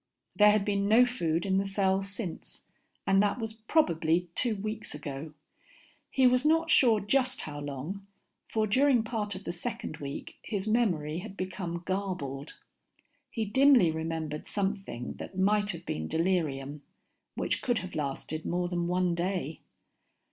There had been no food in the cell since, and that was probably two weeks ago. He was not sure just how long, for during part of the second week his memory had become garbled. He dimly remembered something that might have been delirium, which could have lasted more than one day.